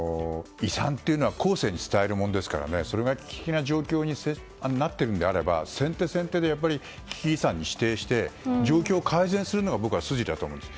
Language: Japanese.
遺産というのは後世に伝えるものですからそれが危機的な状況になっているのであれば先手先手で危機遺産に指定して状況を改善するのが僕は筋だと思うんです。